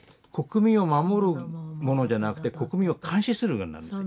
国民を守るものじゃなくて国民を監視する側になる。